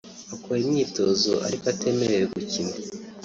akora imyitozo ariko atemerewe gukina